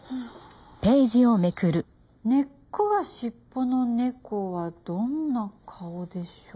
「根っこがしっぽの猫はどんな顔でしょう？」